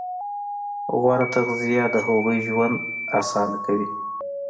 غوره تغذیه د هغوی ژوند اسانه کوي.